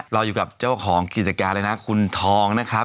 เราอยู่กับเจ้าของกิจการเลยนะคุณทองนะครับ